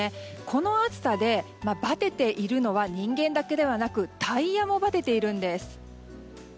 この暑さでバテているのは人間だけではなくタイヤもバテているんです。